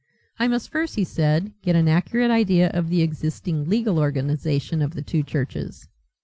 "I must first," he said, "get an accurate idea of the existing legal organization of the two churches."